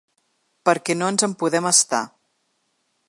Perquè no ens en podem estar.